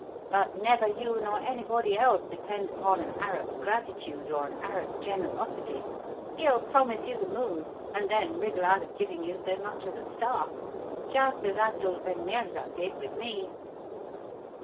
But never you nor anybody else depend upon an Arab's gratitude or an Arab's generosity. He'll promise you the moon, and then wriggle out of giving you so much as a star just as Abdul ben Meerza did with me.'